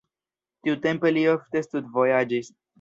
Tiutempe li ofte studvojaĝis.